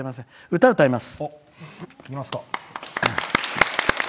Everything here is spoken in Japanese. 歌、歌います！